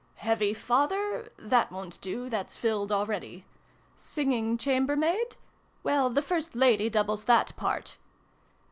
' Heavy Father '? That won't do : that's filled already. ' Singing Chambermaid '? Well, the ' First Lady ' doubles that part.